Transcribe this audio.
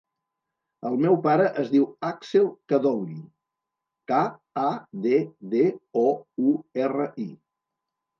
El meu pare es diu Àxel Kaddouri: ca, a, de, de, o, u, erra, i.